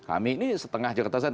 kami ini setengah jakarta saja